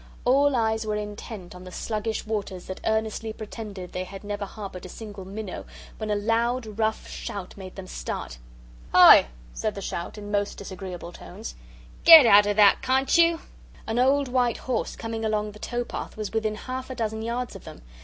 All eyes were intent on the sluggish waters that earnestly pretended they had never harboured a single minnow when a loud rough shout made them start. "Hi!" said the shout, in most disagreeable tones, "get out of that, can't you?" An old white horse coming along the towing path was within half a dozen yards of them.